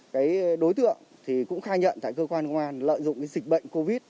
cái đối tượng thì cũng khai nhận tại cơ quan ngoan lợi dụng cái dịch bệnh covid